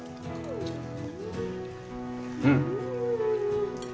うん！